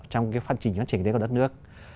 trong cái phát triển chính tế của đất nước